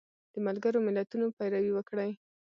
د ملګرو ملتونو پیروي وکړي